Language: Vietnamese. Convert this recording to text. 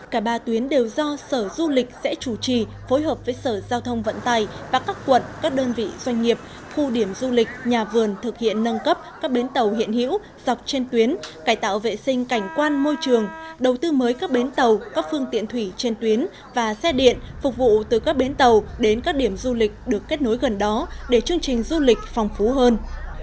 cả ba tuyến đều do sở du lịch sẽ chủ trì phối hợp với sở giao thông vận tài và các quận các đơn vị doanh nghiệp khu điểm du lịch nhà vườn thực hiện nâng cấp các bến tàu hiện hữu dọc trên tuyến cải tạo vệ sinh cảnh quan môi trường đầu tư mới các bến tàu các phương tiện thủy trên tuyến và xe điện phục vụ từ các bến tàu đến các điểm du lịch được kết nối gần đó để chương trình du lịch phong phú hơn